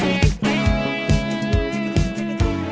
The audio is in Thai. คุณค่ะ